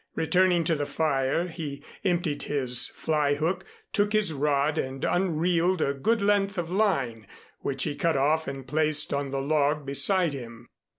Returning to the fire, he emptied his fly hook, took his rod and unreeled a good length of line, which he cut off and placed on the log beside him.